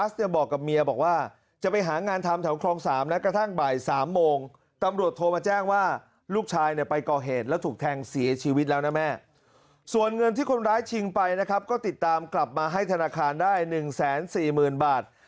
ส่วนเงินที่คนร้ายชิงไปนะครับก็ติดตามกลับมาให้ธนาคารได้๑๔๐๐๐บาท